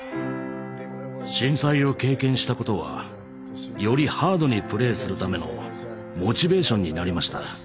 震災を経験したことはよりハードにプレーするためのモチベーションになりました。